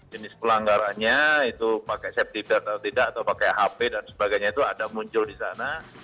jenis pelanggarannya itu pakai safety bed atau tidak atau pakai hp dan sebagainya itu ada muncul di sana